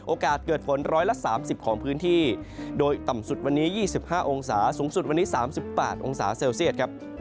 เกิดฝน๑๓๐ของพื้นที่โดยต่ำสุดวันนี้๒๕องศาสูงสุดวันนี้๓๘องศาเซลเซียตครับ